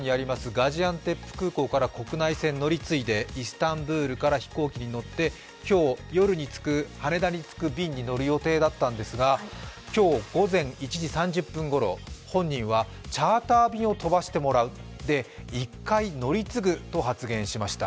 ガジアンテップ空港から国内線を乗り継いでイスタンブールから飛行機に乗って今日夜に羽田に着く便に乗る予定だったんですが今日、午前１時３０分頃、本人はチャーター便を飛ばしてもらう１回乗り継ぐと発言しました。